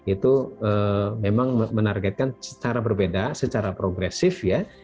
itu memang menargetkan secara berbeda secara progresif ya